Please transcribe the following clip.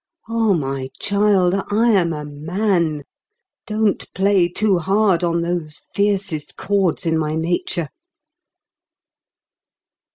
Oh, my child, I am a man; don't play too hard on those fiercest chords in my nature."